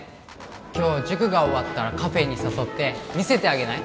今日塾が終わったらカフェに誘って見せてあげない？